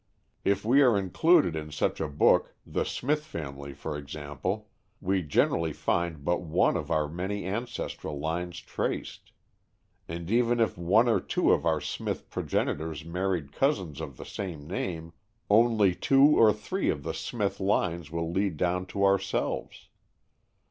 If we are included in such a book, "The Smith Family," for example, we generally find but one of our many ancestral lines traced. And even if one or two of our Smith progenitors married cousins of the same name, only two or three of the Smith lines will lead down to ourselves.